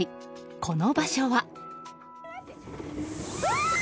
この場所は。